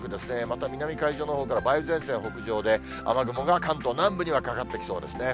また南海上のほうから梅雨前線が北上で、雨雲が関東南部にはかかってきそうですね。